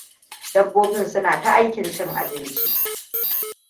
Dabbobin suna ta aikin cin abinci.